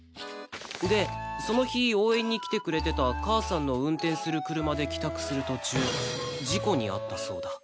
でその日応援に来てくれてた母さんの運転する車で帰宅する途中事故に遭ったそうだ